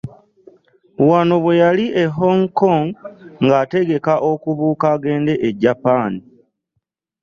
Wano bwe yali e HongKong ng'ategeka okubuuka agende e Japan